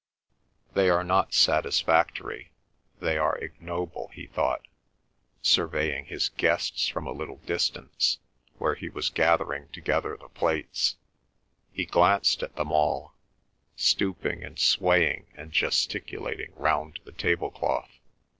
"They are not satisfactory; they are ignoble," he thought, surveying his guests from a little distance, where he was gathering together the plates. He glanced at them all, stooping and swaying and gesticulating round the table cloth.